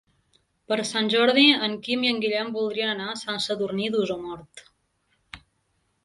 Per Sant Jordi en Quim i en Guillem voldrien anar a Sant Sadurní d'Osormort.